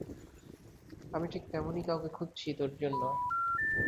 আমি ঠিক তেমনই কাউকে খুঁজছি তোর জন্য।